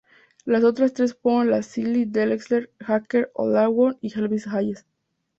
Las otras tres fueron las de Clyde Drexler, Hakeem Olajuwon y Elvin Hayes.